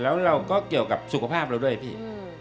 แล้วเราก็เกี่ยวกับสุขภาพเราด้วยพี่